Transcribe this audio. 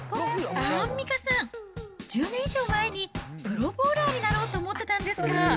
アンミカさん、１０年以上前に、プロボウラーになろうと思ってたんですか？